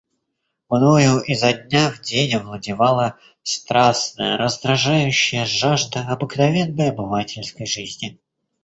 Мною изо дня в день овладевала страстная, раздражающая жажда обыкновенной, обывательской жизни.